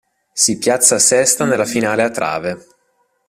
Si piazza sesta nella finale a trave.